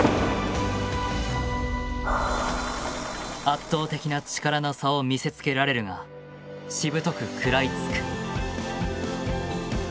圧倒的な力の差を見せつけられるがしぶとく食らいつく。